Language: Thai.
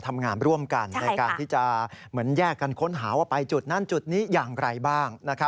ทำงานร่วมกันในการที่จะเหมือนแยกกันค้นหาว่าไปจุดนั้นจุดนี้อย่างไรบ้าง